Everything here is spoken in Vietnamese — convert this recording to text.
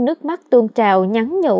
nước mắt tuôn trào nhắn nhũ